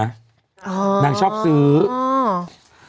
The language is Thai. อ่าาานางชอบซื้ออ่าาา